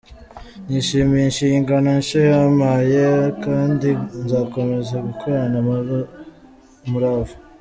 Nishimiye inshingano nshya yampaye kandi nzakomeza gukorana umurava.